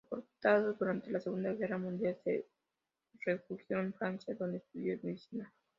Deportado durante la Segunda Guerra Mundial, se refugió en Francia, donde estudió medicina.